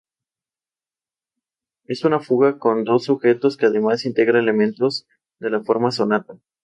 Vive sin horarios ni ataduras, aunque siempre pendiente de su hermano Simon.